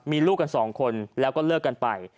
มีลูกกันสองคนแล้วก็เลิกกันไป